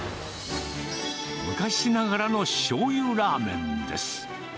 昔ながらのしょうゆラーメンです。